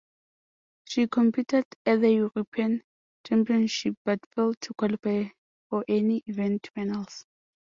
She competed at the European Championships but failed to qualify for any event finals.